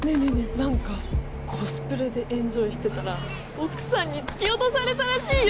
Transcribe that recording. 何かコスプレでエンジョイしてたら奥さんに突き落とされたらしいよ。